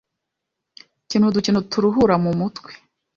Kina udukino turuhura mu mutwe